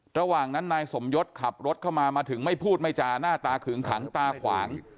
ระหว่างนั้นนายสมยศขับรถเข้ามามาถึงไม่พูดไม่จาหน้าตาขึงขังตาขวาง